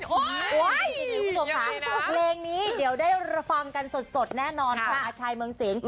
โอ้ยยังไงนะคุณผู้ชมค่ะเดี๋ยวได้ฟังกันสดแน่นอนของอาชายเมืองเสียง